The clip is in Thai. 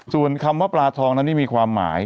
ส่วนคำว่าปลาทองนั้นนี่มีความหมาย